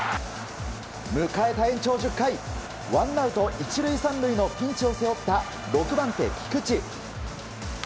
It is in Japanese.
迎えた延長１０回ワンアウト１塁３塁のピンチを背負った６番手、菊地。